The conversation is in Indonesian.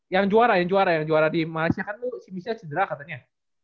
yang juara yang juara yang juara di malaysia kan tuh michelle cedera katanya